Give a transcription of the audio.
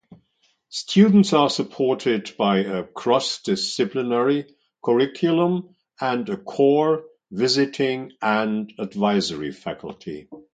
Students are supported by a cross-disciplinary curriculum and a core, visiting, and advisory faculty.